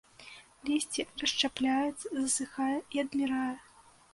Лісце расшчапляецца, засыхае і адмірае.